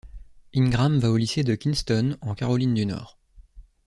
Ingram va au lycée de Kinston, en Caroline du Nord.